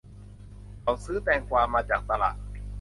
เขาซื้อแตงกวามาจากตลาด